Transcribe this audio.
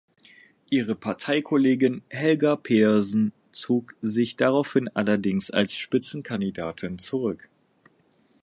Ihre Parteikollegin Helga Pedersen zog sich daraufhin allerdings als Spitzenkandidatin zurück.